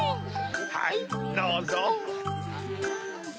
はいどうぞ。